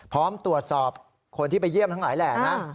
พร้อมตรวจสอบคนที่ไปเยี่ยมทั้งหลายแหล่งนะ